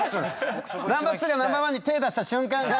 ナンバー２がナンバー１に手出した瞬間がね。